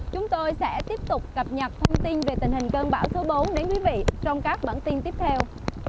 chúng tôi sẽ tiếp tục cập nhật thông tin về tình hình cơn bão số bốn đến quý vị trong các bản tin tiếp theo